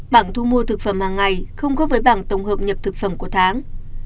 bảng thu mua thực phẩm hàng ngày không góp với bảng tổng hợp nhập thực phẩm của tháng